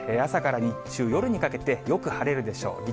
朝から日中、夜にかけてよく晴れるでしょう。